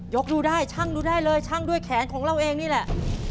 ดูได้ช่างดูได้เลยชั่งด้วยแขนของเราเองนี่แหละ